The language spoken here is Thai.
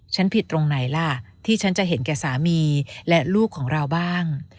ผิดตรงไหนล่ะที่ฉันจะเห็นแก่สามีและลูกของเราบ้าง